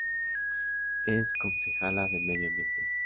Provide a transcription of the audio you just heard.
Es concejala de Medio Ambiente.